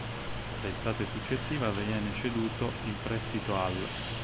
L'estate successiva viene ceduto in prestito all'.